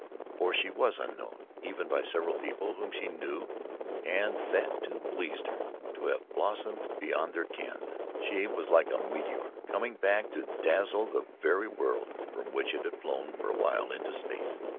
For she was unknown even by several people whom she knew and that, too, pleased her to have bloomed so quite beyond their ken. She was like a meteor coming back to dazzle the very world from which it had flown for a while into space.